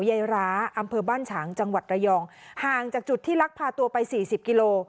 ยายร้าอำเภอบ้านฉางจังหวัดระยองห่างจากจุดที่ลักพาตัวไปสี่สิบกิโล